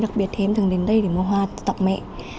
đặc biệt thì em thường đến đây để mua hoa tặng mẹ